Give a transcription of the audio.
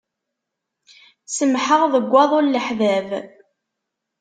Semmḥeɣ deg waḍu n leḥbab.